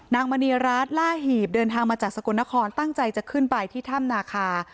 มณีรัฐล่าหีบเดินทางมาจากสกลนครตั้งใจจะขึ้นไปที่ถ้ำนาคา